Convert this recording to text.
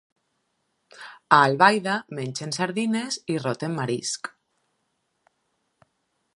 A Albaida mengen sardines i roten marisc.